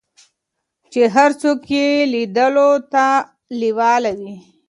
چې هر څوک یې لیدلو ته لیواله وي.